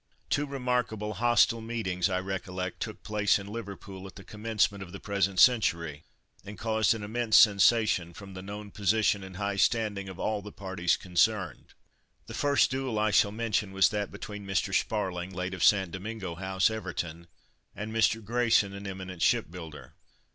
Two remarkable hostile meetings, I recollect, took place in Liverpool at the commencement of the present century, and caused an immense sensation, from the known position and high standing of all the parties concerned. The first duel I shall mention was that between Mr. Sparling, late of St. Domingo House, Everton, and Mr. Grayson, an eminent shipbuilder.